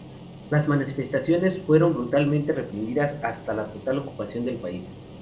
Las manifestaciones fueron brutalmente reprimidas hasta la total ocupación del país.